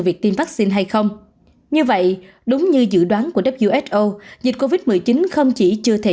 việc tiêm vaccine hay không như vậy đúng như dự đoán của who dịch covid một mươi chín không chỉ chưa thể